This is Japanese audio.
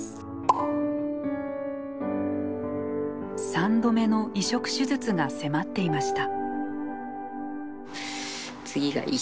３度目の移植手術が迫っていました。